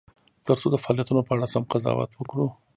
ترڅو د فعالیتونو په اړه سم قضاوت وکړو.